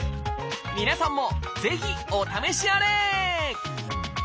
皆さんもぜひお試しあれ！